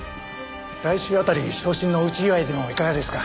来週あたり昇進の内祝いでもいかがですか？